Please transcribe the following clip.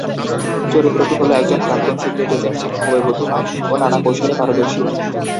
চরিত্রটি হল একজন প্রাক্তন সিক্রেট এজেন্ট যিনি খুবই বুদ্ধিমান ও নানা কৌশলে পারদর্শী।